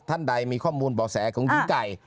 ท่านใดมีข้อมูลบ่อแสของหญิงไก่